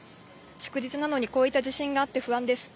祝日なのに、こういった地震があって不安です。